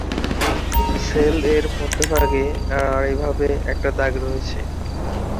Sell এর মধ্যভাগে আড়াআড়ি ভাবে একটি দাগ রয়েছে।